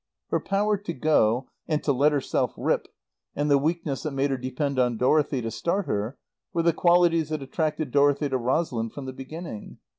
Her power to go, and to let herself rip, and the weakness that made her depend on Dorothy to start her were the qualities that attracted Dorothy to Rosalind from the beginning.